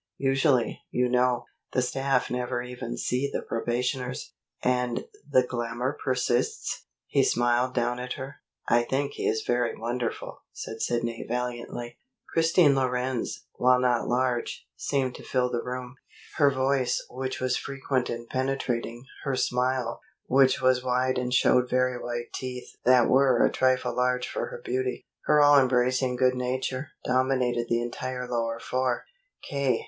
Usually, you know, the staff never even see the probationers." "And the glamour persists?" He smiled down at her. "I think he is very wonderful," said Sidney valiantly. Christine Lorenz, while not large, seemed to fill the little room. Her voice, which was frequent and penetrating, her smile, which was wide and showed very white teeth that were a trifle large for beauty, her all embracing good nature, dominated the entire lower floor. K.